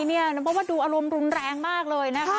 เพราะว่าดูอารมณ์รุนแรงมากเลยนะคะ